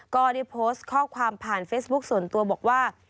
ก็ได้โพสต์ข้อความผ่านเฟซบุ๊คส่วนตัวบอกว่า